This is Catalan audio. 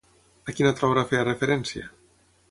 A quina altra obra feia referència?